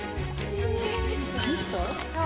そう。